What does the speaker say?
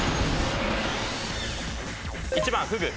１番フグ。